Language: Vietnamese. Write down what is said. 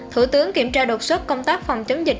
thủ tướng kiểm tra đột xuất công tác phòng chống dịch